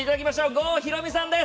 郷ひろみさんです